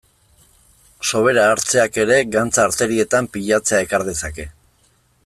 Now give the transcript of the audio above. Sobera hartzeak ere gantza arterietan pilatzea ekar dezake.